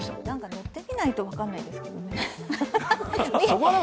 乗ってみないと分からないですよね。